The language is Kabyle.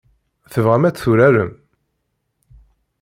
Tebɣam ad tt-turarem?